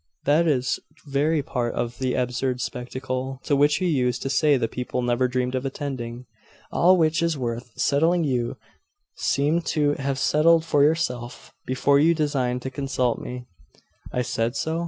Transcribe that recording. That is the very part of the absurd spectacle to which you used to say the people never dreamed of attending. All which is worth settling you seemed to have settled for yourself before you deigned to consult me.' 'I said so?